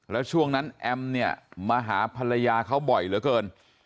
แล้วช่วงนั้นแอมเนี่ยมาหาภรรยาเขาบ่อยเหลือเกิน